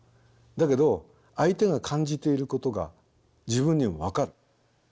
だけど相手が感じていることが自分にも分かる。